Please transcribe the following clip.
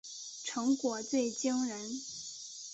成果最惊人